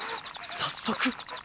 早速！？